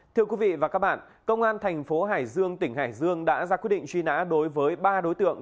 thưa quý vị và các bạn công an thành phố hải dương tỉnh hải dương đã ra quyết định truy nã đối với ba đối tượng